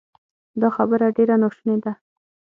دا خبره ډېره ناشونې ده